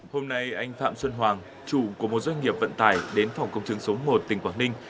hôm nay anh phạm xuân hoàng chủ của một doanh nghiệp vận tải đến phòng công chứng số một tỉnh quảng ninh